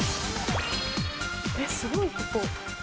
えっすごいここ。